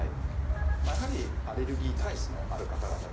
やはりアレルギー体質のある方々ですね。